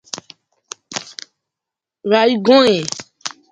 The water very soon touched the magma within the vent and caused explosive activity.